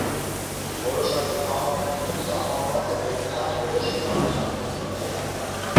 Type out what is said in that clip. Որոշակի աւագութիւն սահմանուած է պետութեան բոլոր շքանշաններու միջեւ։